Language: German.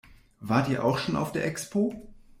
Wart ihr auch schon auf der Expo?